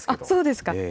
そうですか。